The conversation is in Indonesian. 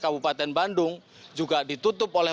kabupaten bandung juga ditutup oleh